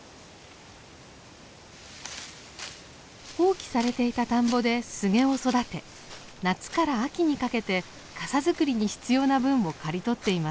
放棄されていた田んぼでスゲを育て夏から秋にかけて笠作りに必要な分を刈り取っています。